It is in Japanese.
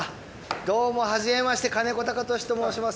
どうもはじめまして金子貴俊と申します。